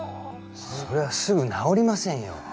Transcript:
そりゃすぐ治りませんよ。